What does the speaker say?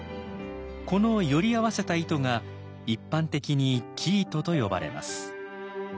この撚り合わせた糸が一般的に生糸と呼ばれます。